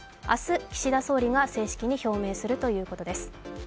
明日、岸田総理が正式に表明するということです。